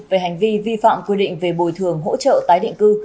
về hành vi vi phạm quy định về bồi thường hỗ trợ tái định cư